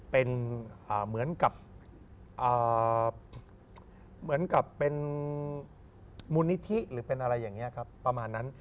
เป็นเหมือนกับมูลนิธิหรือเป็นอะไรอย่างนี้ครับประมาณนั้น